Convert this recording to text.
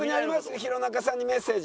弘中さんにメッセージ。